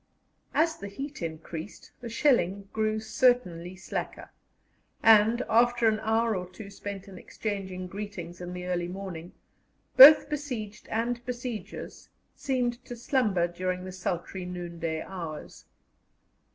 As the heat increased, the shelling grew certainly slacker, and, after an hour or two spent in exchanging greetings in the early morning, both besieged and besiegers seemed to slumber during the sultry noonday hours.